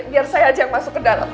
biar saya aja yang masuk ke dalam